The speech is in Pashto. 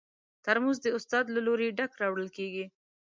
ترموز د استاد له لوري ډک راوړل کېږي.